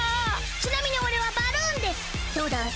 ちなみにオレはバルーンデス！